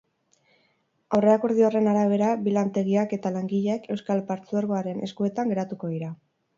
Aurrekordio horren arabera, bi lantegiak eta langileak euskal partzuergoaren eskuetan geratuko dira.